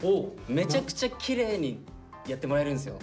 めちゃくちゃきれいにやってもらえるんですよ。